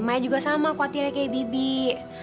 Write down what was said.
mai juga sama khawatir kayak bibik